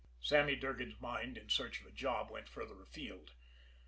Sammy Durgan's mind in search of a job went further afield.